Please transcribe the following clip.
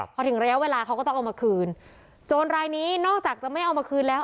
พอถึงระยะเวลาเขาก็ต้องเอามาคืนโจรรายนี้นอกจากจะไม่เอามาคืนแล้ว